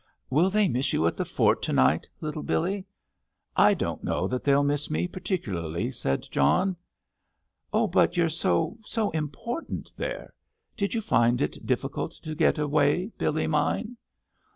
"Will they miss you at the fort to night, little Billy?" "I don't know that they'll miss me particularly," said John. "Oh, but you're so—so important there. Did you find it difficult to get away, Billy mine?"